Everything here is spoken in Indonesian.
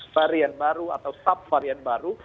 varian baru atau subvarian baru